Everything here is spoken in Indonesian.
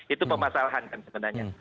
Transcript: itu pemasalahan kan sebenarnya